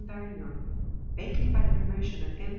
Varignon, vacant by the promotion (tf M.